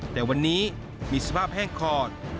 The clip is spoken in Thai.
แต่วันนี้มีสภาพแห้งคอด